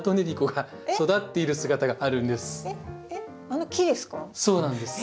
あの木ですか？